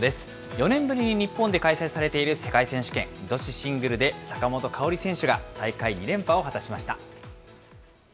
４年ぶりに日本で開催されている世界選手権、女子シングルで坂本花織選手が大会２連覇を果たしました。